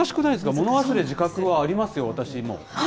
物忘れ、自覚はありますよ、私、もう。